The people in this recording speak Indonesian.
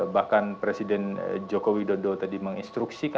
bahkan presiden joko widodo tadi menginstruksikan